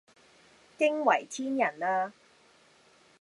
驚為天人呀